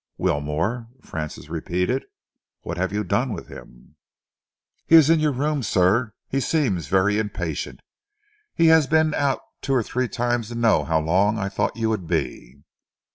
"Wilmore?" Francis repeated. "What have you done with him?" "He is in your room, sir. He seems very impatient. He has been out two or three times to know how long I thought you would be."